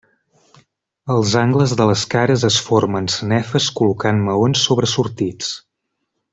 Als angles de les cares es formen sanefes col·locant maons sobresortits.